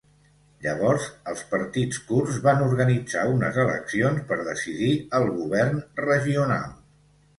Llavors els partits kurds van organitzar unes eleccions per decidir el govern regional.